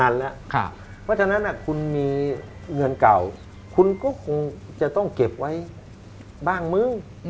เพราะฉะนั้นคุณมีเงินเก่าคุณก็คงจะต้องเก็บไว้บ้างมึง